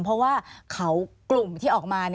เพราะว่าเขากลุ่มที่ออกมา